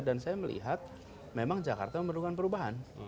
dan saya melihat memang jakarta memerlukan perubahan